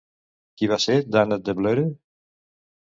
Qui va ser Dànat de Vlöre?